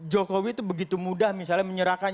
jokowi itu begitu mudah misalnya menyerahkan